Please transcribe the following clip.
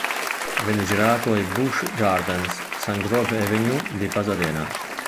Venne girato ai Busch Gardens, S. Grove Avenue di Pasadena.